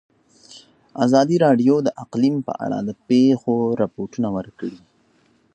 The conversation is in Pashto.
ازادي راډیو د اقلیم په اړه د پېښو رپوټونه ورکړي.